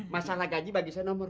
masalah gaji bagi saya nomor